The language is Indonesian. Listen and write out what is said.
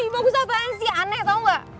bagus apaan sih aneh tau nggak